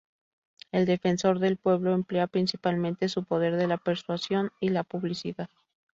El defensor del pueblo emplea principalmente su poder de la persuasión y la publicidad.